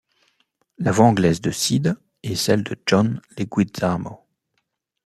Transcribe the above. La voix anglaise de Sid est celle de John Leguizamo.